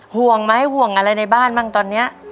ห่วงไหมห่วงอะไรในบ้านบ้างตอนนี้